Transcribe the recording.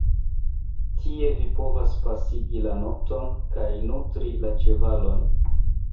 Tie vi povas pasigi la nokton kaj nutri la ĉevalojn.